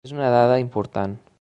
És una dada important.